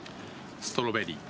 ストロベリー。